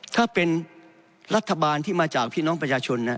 ถ้าเป็นรัฐบาลที่มาจากพี่น้องประชาชน